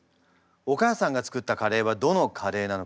お母さんが作ったカレーはどのカレーなのか。